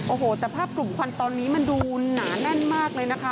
โอ้โหแต่ภาพกลุ่มควันตอนนี้มันดูหนาแน่นมากเลยนะคะ